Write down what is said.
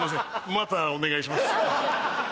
またお願いします。